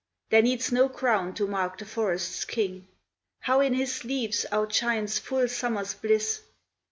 There needs no crown to mark the forest's king; How in his leaves outshines full summer's bliss!